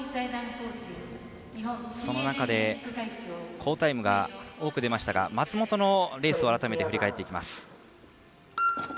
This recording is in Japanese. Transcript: その中で、好タイムが多く出ましたが松元のレースを改めて振り返っていきます。